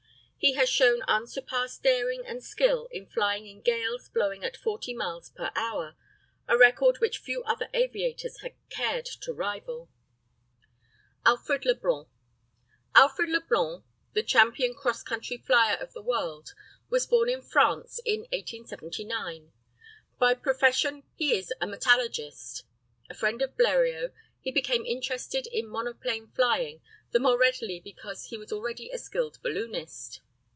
He has shown unsurpassed daring and skill in flying in gales blowing at 40 miles per hour, a record which few other aviators have cared to rival. ALFRED LEBLANC. ALFRED LEBLANC, the champion cross country flier of the world, was born in France in 1879. By profession he is a metallurgist. A friend of Bleriot, he became interested in monoplane flying, the more readily because he was already a skilled balloonist.